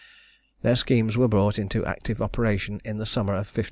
Their schemes were brought into active operation in the summer of 1577.